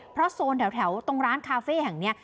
เพราะโซนแถวตรงร้านคาเฟ่แห่งนี้